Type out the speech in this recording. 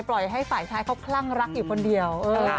ปล่อยให้ฝ่ายชายเขาคลั่งรักอยู่คนเดียว